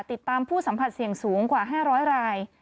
ติดตามผู้สัมผัสเสี่ยงสูงกว่า๕๐๐ราย